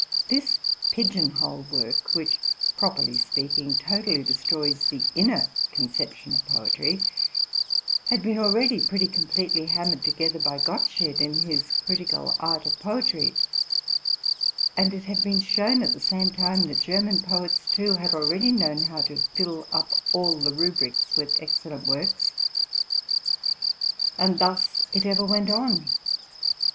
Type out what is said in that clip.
This pigeon hole work, which, properly speaking, totally destroys the inner conception of poetry, had been already pretty completely hammered together by Gottsched in his '* Critical Art of Potery ;'' and it "had been shown at the same time that German poets, too, had already known how to fill up all the rubrics with excellent works. And thus it ever went on.